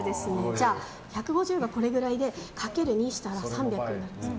じゃあ１５０がこれくらいでかける２したら３００。